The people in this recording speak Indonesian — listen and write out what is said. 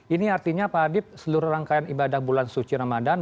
ini artinya pak adib seluruh rangkaian ibadah bulan suci ramadan